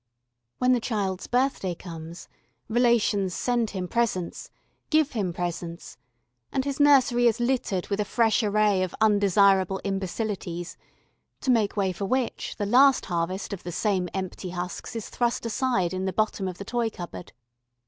When the child's birthday comes, relations send him presents give him presents, and his nursery is littered with a fresh array of undesirable imbecilities to make way for which the last harvest of the same empty husks is thrust aside in the bottom of the toy cupboard.